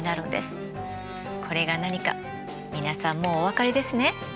これが何か皆さんもうお分かりですね？